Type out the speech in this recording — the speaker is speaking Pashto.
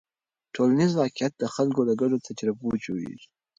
ټولنیز واقیعت د خلکو له ګډو تجربو جوړېږي.